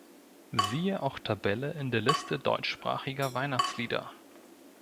Siehe auch Tabelle in der Liste deutschsprachiger Weihnachtslieder.